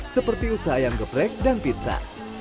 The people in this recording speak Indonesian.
seperti usaha ayam geprek dan pizza